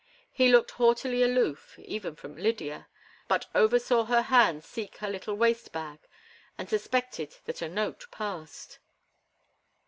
He looked haughtily aloof, even from Lydia, but Over saw her hand seek her little waist bag and suspected that a note passed.